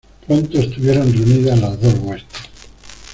pronto estuvieron reunidas las dos huestes: